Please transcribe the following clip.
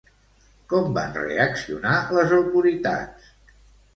Com van reaccionar les autoritats?